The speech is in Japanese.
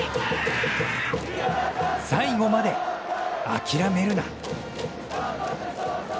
最後まで諦めるな。